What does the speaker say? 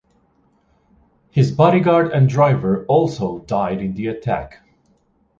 His bodyguard and driver also died in the attack.